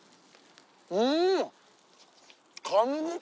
うん！